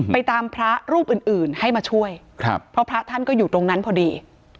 ตามพระรูปอื่นอื่นให้มาช่วยครับเพราะพระท่านก็อยู่ตรงนั้นพอดี